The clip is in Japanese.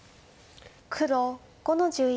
黒５の十一。